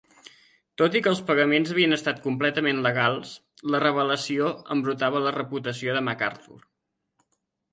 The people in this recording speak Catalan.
Tot i que els pagaments havien estat completament legals, la revelació embrutava la reputació de MacArthur.